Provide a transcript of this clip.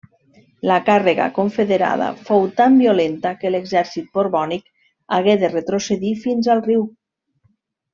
La càrrega confederada fou tan violenta que l'exèrcit borbònic hagué de retrocedir fins al riu.